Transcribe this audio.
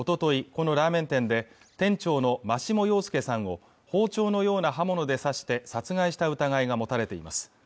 このラーメン店で店長の真下陽介さんを包丁のような刃物で刺して殺害した疑いが持たれています